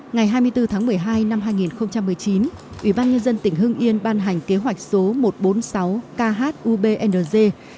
ngày hai mươi bốn tháng một mươi hai năm hai nghìn một mươi chín ủy ban nhân dân tỉnh hưng yên ban hành kế hoạch số một trăm bốn mươi sáu khubng